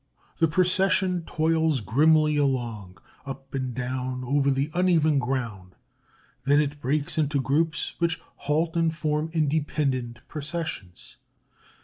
The procession toils grimly along, up and down over the uneven ground. Then it breaks into groups, which halt and form independent processions.